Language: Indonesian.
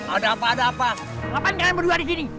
ada apa ada apa kenapa kalian berdua disini